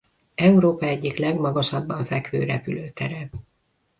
Európa egyik legmagasabban fekvő repülőtere.